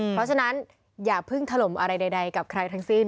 เพราะฉะนั้นอย่าเพิ่งถล่มอะไรใดกับใครทั้งสิ้น